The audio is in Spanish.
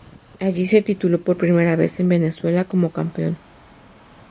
Allí se tituló por primera vez en Venezuela como Campeón.